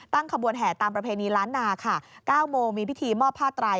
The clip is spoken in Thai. ขบวนแห่ตามประเพณีล้านนาค่ะ๙โมงมีพิธีมอบผ้าไตร